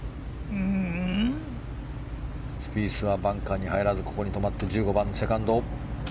スピースはバンカーに入らずここに止まって１５番、セカンド。